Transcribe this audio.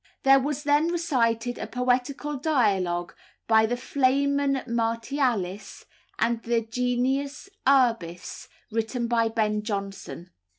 There was then recited a poetical dialogue by the Flamen Martialis and the Genius Urbis, written by Ben Jonson.